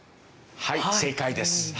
はい正解です。